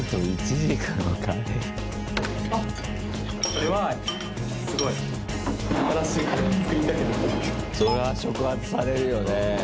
それは触発されるよねえ。